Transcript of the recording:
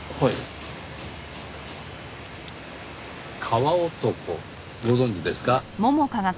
川男ご存じですか？